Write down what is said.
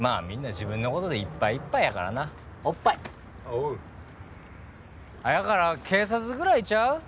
みんな自分のことでいっぱいいっぱいやからなおっぱいおうやから警察ぐらいちゃう？